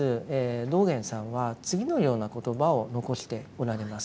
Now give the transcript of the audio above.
道元さんは次のような言葉を残しておられます。